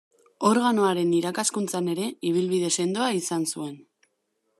Organoaren irakaskuntzan ere ibilbide sendoa izan zuen.